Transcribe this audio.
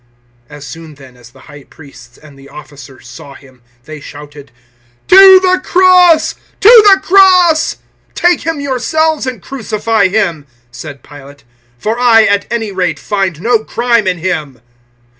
019:006 As soon then as the High Priests and the officers saw Him, they shouted "To the cross! To the cross!" "Take him yourselves and crucify him," said Pilate; "for I, at any rate, find no crime in him."